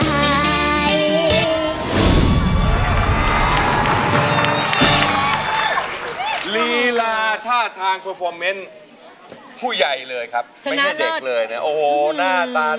เห็นแรงมากเลยนะหน้าตาถ่าง